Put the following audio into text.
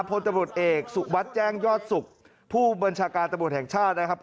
พลตำรวจเอกสุวัสดิ์แจ้งยอดสุขผู้บัญชาการตำรวจแห่งชาตินะครับ